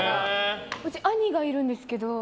うち、兄がいるんですけど。